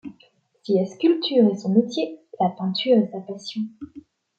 Si la sculpture est son métier, la peinture est sa passion.